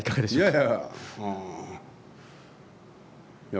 いやいや。